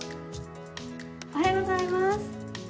おはようございます。